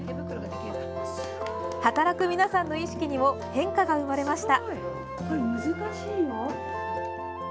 働く皆さんの意識にも変化が生まれました。